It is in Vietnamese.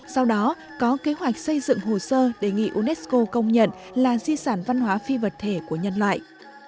sau đó có kế hoạch xây dựng hồ sơ đề nghị unesco công nhận là di sản văn hóa phi vật thể của nhân loại